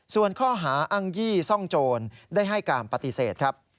ส่วนข้อหาอ้างยี่ซ่องโจรได้ให้การปฏิเสธครับ